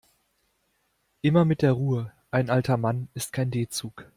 Immer mit der Ruhe, ein alter Mann ist kein D-Zug.